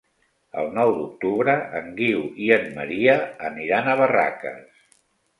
El nou d'octubre en Guiu i en Maria aniran a Barraques.